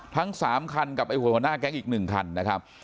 ทั้ง๓คันกับไอ้หัวหน้าแก๊งอีก๑คันนะครับ